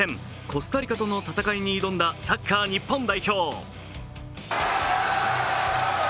コスタリカとの戦いに挑んだサッカー日本代表。